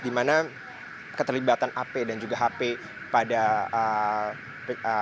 dimana keterlibatan ap dan juga hp pada polsek ciracas